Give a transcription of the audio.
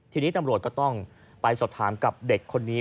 ทีนี้ตำรวจก็ต้องไปสอบถามกับเด็กคนนี้